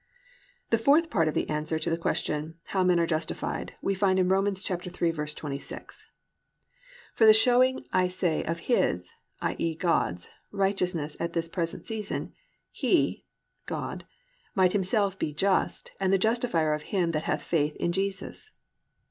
4. The fourth part of the answer to the question how men are justified we find in Rom. 3:26, +"For the showing, I say, of his+ (i.e., God's) +righteousness at this present season: that he+ (i.e., God) +might himself be just, and the justifier of him that hath faith in Jesus."